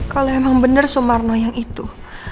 kalau emang benar sumarno yang itu